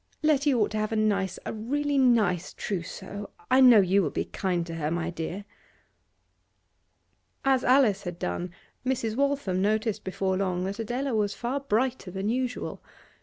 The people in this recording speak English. Letty ought to have a nice, a really nice trousseau; I know you will be kind to her, my dear.' As Alice had done, Mrs. Waltham noticed before long that Adela was far brighter than usual.